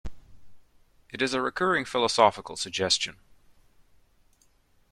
It is a recurring philosophical suggestion.